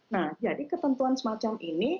nah jadi ketentuan semacam ini